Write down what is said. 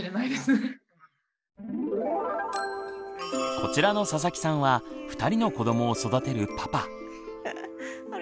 こちらの佐々木さんは２人の子どもを育てるパパ。